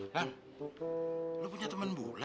kan lo punya teman bule